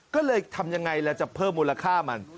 ก็เลยทำยังไงล่ะจะเพิ่มมูลค่ามัน